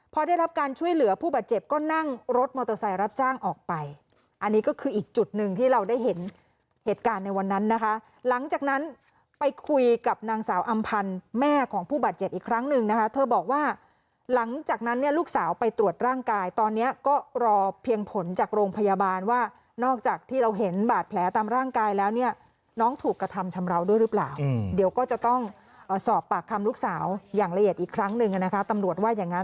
พอได้รับการช่วยเหลือผู้บาดเจ็บก็นั่งรถมอเตอร์ไซรับสร้างออกไปอันนี้ก็คืออีกจุดหนึ่งที่เราได้เห็นเหตุการณ์ในวันนั้นนะคะหลังจากนั้นไปคุยกับนางสาวอำพันธ์แม่ของผู้บาดเจ็บอีกครั้งหนึ่งนะคะเธอบอกว่าหลังจากนั้นเนี่ยลูกสาวไปตรวจร่างกายตอนนี้ก็รอเพียงผลจากโรงพยาบาลว่านอกจากที่เราเห็น